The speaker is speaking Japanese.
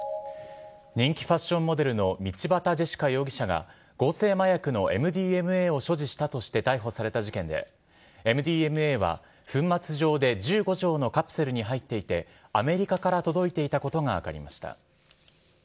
人気ファッションモデルの道端ジェシカ容疑者が、合成麻薬のＭＤＭＡを所持したとして逮捕された事件で、ＭＤＭＡは粉末状で１５錠のカプセルに入っていて、アメリカから届いていたことが分かりました。